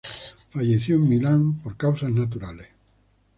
Falleció en Milán, por causas naturales.